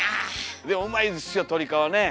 でもうまいですよ鶏皮ねえ。